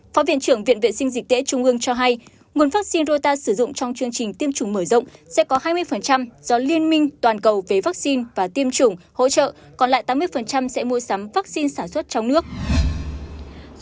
phó viện trưởng viện vệ sinh dịch tễ trung ương cho hay nguồn vaccine rota sử dụng trong chương trình tiêm chủng mở rộng sẽ có hai mươi do liên minh toàn cầu về vaccine và tiêm chủng hỗ trợ còn lại tám mươi sẽ mua sắm vaccine sản xuất trong nước